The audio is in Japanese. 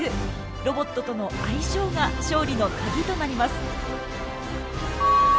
ロボットとの相性が勝利のカギとなります。